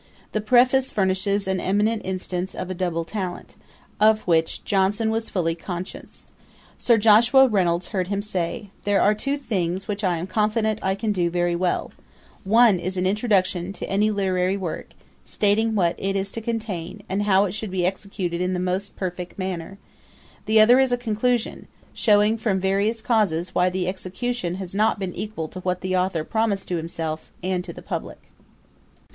The Preface furnishes an eminent instance of a double talent, of which Johnson was fully conscious. Sir Joshua Reynolds heard him say, 'There are two things which I am confident I can do very well: one is an introduction to any literary work, stating what it is to contain, and how it should be executed in the most perfect manner; the other is a conclusion, shewing from various causes why the execution has not been equal to what the authour promised to himself and to the publick.'